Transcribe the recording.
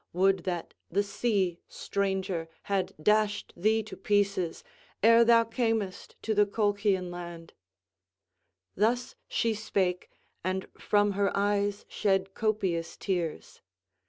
Would that the sea, stranger, had dashed thee to pieces, ere thou camest to the Colchian land!" Thus she spake, and from her eyes shed copious tears.